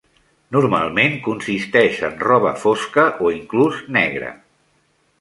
Normalment consisteix en roba fosca o inclús negra.